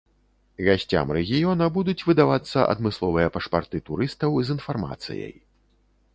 Гасцям рэгіёна будуць выдавацца адмысловыя пашпарты турыстаў з інфармацыяй.